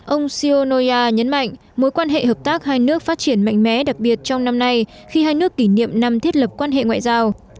ông shio noya nhấn mạnh mối quan hệ hợp tác hai nước phát triển mạnh mẽ đặc biệt trong năm nay khi hai nước kỷ niệm năm thiết lập quan hệ ngoại giao